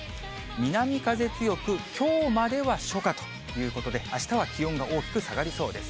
南風強くきょうまでは初夏ということで、あしたは気温が大きく下がりそうです。